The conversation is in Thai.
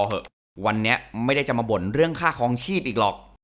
เถอะวันนี้ไม่ได้จะมาบ่นเรื่องค่าคลองชีพอีกหรอก